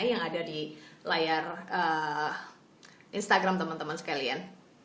yang ada di layar instagram teman teman sekalian